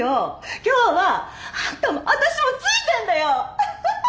今日はあんたもあたしもついてんだよ！